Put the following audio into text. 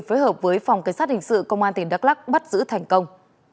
phối hợp với phòng cảnh sát hình sự công an tỉnh đắk lắc bắt giữ thành công